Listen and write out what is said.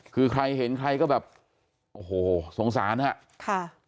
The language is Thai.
คือใครเห็นใครก็แบบโอ้โหสงสารนะครับ